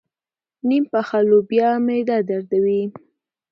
نيم پخه لوبیا معده دردوي.